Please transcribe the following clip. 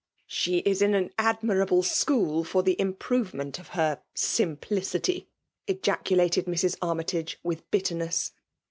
'*'' She is in an admirable school for the im provement of her simplicity !" ejaculated Mrs. Armytage, with bitterness.